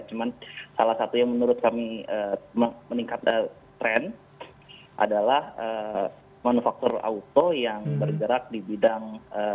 cuman salah satu yang menurut kami meningkatkan trend adalah manufacturer auto yang bergerak di bidang